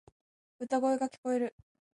歌声が聞こえる。